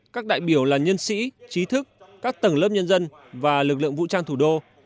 các đại biểu là nhân sĩ trí thức các tầng lớp nhân dân và lực lượng vũ trang thủ đô